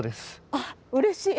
あっうれしい。